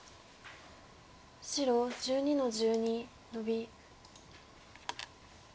白１２の十二ノビ。